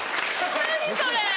何それ。